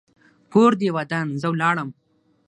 کور دې ودان؛ زه ولاړم.